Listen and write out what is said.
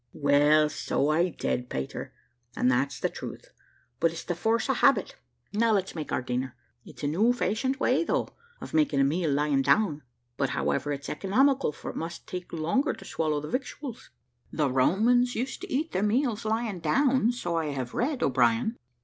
"Well, so I did, Peter, and that's the truth, but it's the force of habit. Now let's make our dinner. It's a new fashioned way though, of making a meal lying down; but, however, it's economical, for it must take longer to swallow the victuals." "The Romans used to eat their meals lying down, so I have read, O'Brien."